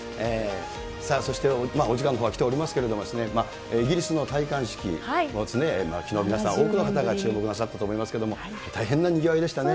さあそして、お時間が来ておりますけれどもね、イギリスの戴冠式、きのう、皆さん多くの方が注目なさったと思いますけれども、大変なにぎわいでしたね。